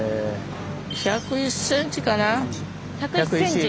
１０１ｃｍかな１０１。